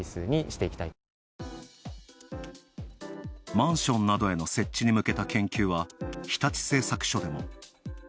マンションなどへの設置に向けた研究は日立製作所でも。